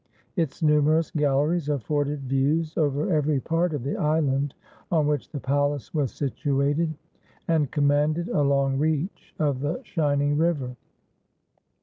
Its numerous galleries afforded views over every part of the island on which the palace was situated, and commanded a long reach of the shining river.